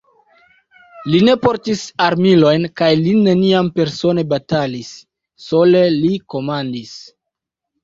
Li ne portis armilojn kaj li neniam persone batalis, sole li komandis.